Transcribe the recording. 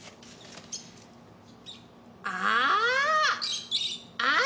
ああ！